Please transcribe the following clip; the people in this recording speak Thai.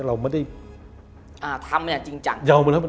เราไม่ได้ทำจริงจัง